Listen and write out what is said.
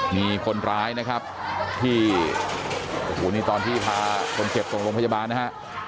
มีคนร้ายนะครับที่ตอนที่พาคนเก็บตรงพจบาลนะฮะ